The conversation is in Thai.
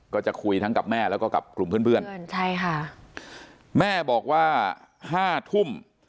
ก็จะคุยทั้งกับแม่แล้วก็กลุ่มเพื่อนแม่บอกว่า๕ทุ่ม